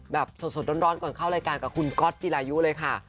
แบบสดร้อนก่อนเข้ารายการกับคุณก๊อตจิรายุเลยค่ะ